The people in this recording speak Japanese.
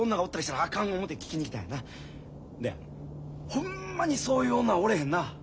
ホンマにそういう女はおれへんな？